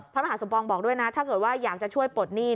พระมหาสมปองบอกด้วยนะถ้าเกิดว่าอยากจะช่วยปลดหนี้